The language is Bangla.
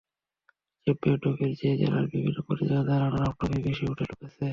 চ্যাম্পিয়ন ট্রফির চেয়ে জেলার বিভিন্ন প্রতিযোগিতায় রানার্সআপ ট্রফিই বেশি ওঠে শোকেসে।